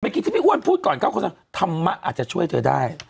เมื่อกี้ที่พี่อ้วนพูดก่อนเขาก็คิดว่าธรรมะอาจจะช่วยเธอได้